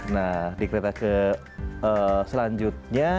nah di kereta selanjutnya